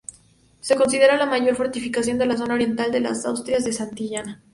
Se considera la mayor fortificación de la zona oriental de las Asturias de Santillana.